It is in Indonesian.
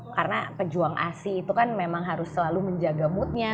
karena pejuang asik itu kan memang harus selalu menjaga moodnya